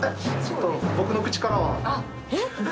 僕の口からは。